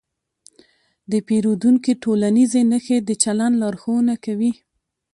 د پیریدونکي ټولنیزې نښې د چلند لارښوونه کوي.